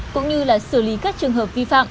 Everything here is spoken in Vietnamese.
cũng như xử lý các trường hợp vi phạm